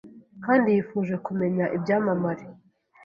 Kandi yifuje kumenya ibyamamare